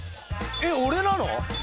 えっ俺なの！？